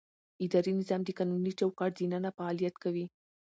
اداري نظام د قانوني چوکاټ دننه فعالیت کوي.